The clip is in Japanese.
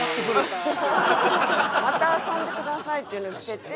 「また遊んでください」っていうのがきてて。